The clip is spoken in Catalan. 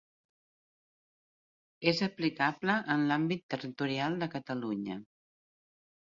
És aplicable en l'àmbit territorial de Catalunya.